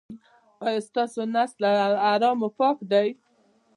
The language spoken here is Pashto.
ایا ستاسو نس له حرامو پاک دی؟